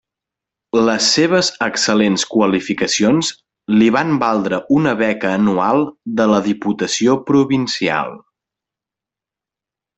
Les seves excel·lents qualificacions li van valdre una beca anual de la Diputació Provincial.